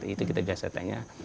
itu kita biasa tanya